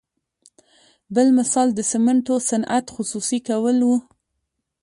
بل مثال د سمنټو صنعت خصوصي کول وو.